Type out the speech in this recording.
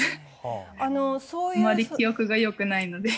あんまり記憶力が良くないので。